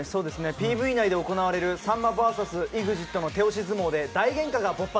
ＰＶ内で行われるさんまＶＳＥＸＩＴの手押し相撲で大げんかが勃発。